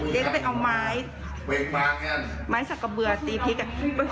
เจ๊ก็ไปเอาไม้สะกะเบิร์ดตีพริก